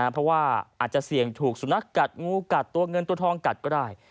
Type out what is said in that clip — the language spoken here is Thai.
เพราะว่าอาจจะเสี่ยงถูกสุนัขกัดงูกัดตัวเงินตัวทองกัดก็ได้